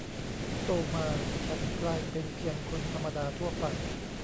โตมาฉันกลายเป็นเพียงคนธรรมดาทั่วไป